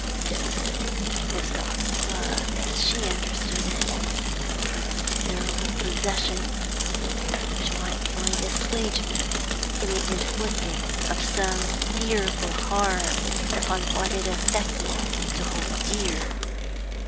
This was not love, as she understood it, but a terrible possession which might find assuagement in inflicting some fearful harm upon what it affected to hold dear.